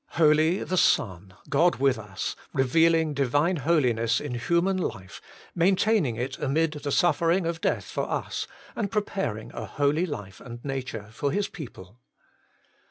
HOLY, the Son, God with us, revealing Divine Holiness in human life, maintaining it amid the suffering of death for us, and preparing a holy life and nature for His people.